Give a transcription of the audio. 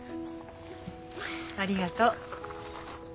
ありがとう。